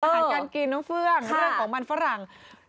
สถานการณ์กินน้ำเฟื้องเรื่องของมันฝรั่ง